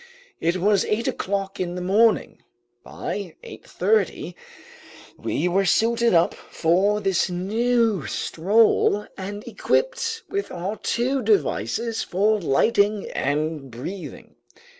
It was eight o'clock in the morning. By 8:30 we were suited up for this new stroll and equipped with our two devices for lighting and breathing.